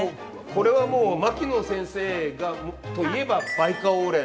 これはもう牧野先生といえばバイカオウレン。